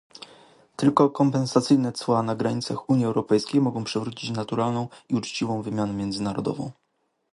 Tylko kompensacyjne cła na granicach Unii Europejskiej mogą przywrócić naturalną i uczciwą wymianę międzynarodową